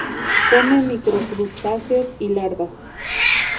Come micro crustáceos y larvas.